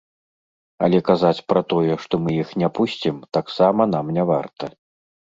Але казаць пра тое, што мы іх не пусцім, таксама нам не варта.